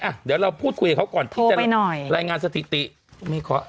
อ่ะเดี๋ยวเราพูดคุยกับเขาก่อนที่จะรายงานสถิติไม่ขอ